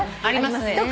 ありますね。